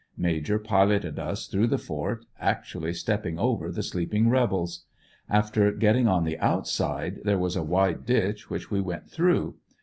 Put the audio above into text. Major piloted us through the fort, actually stepping over the sleeping rebels. After getting on the outside there was a wide ditch which we went through.